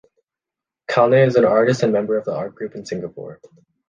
Calne is an artist and member of the art group in Singapour.